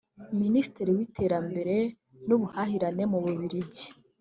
Minisitiri w’iterambere n’ubuhahirane mu Bubiligi